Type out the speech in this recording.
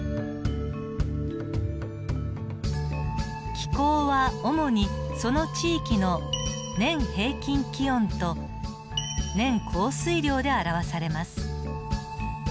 気候は主にその地域の年平均気温と年降水量で表されます。